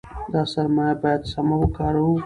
دا سرمایه باید سمه وکاروو.